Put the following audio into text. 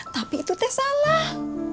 tapi itu tes salah